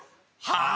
「はあ？」